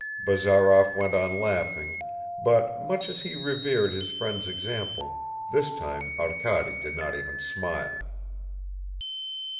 Bazarov went on laughing, but, much as he revered his friend's example, this time Arkady did not even smile.